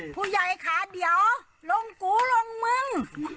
ผู้ใหญ่ค่ะเดี๋ยวลงกูลงมึง